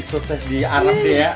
sukses di arab ya